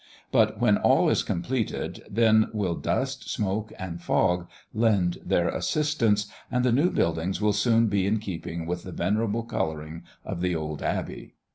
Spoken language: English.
But when all is completed, then will dust, smoke, and fog lend their assistance, and the new buildings will soon be in keeping with the venerable colouring of the old Abbey.